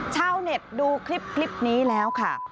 ชาวเน็ตดูคลิปนี้แล้วค่ะ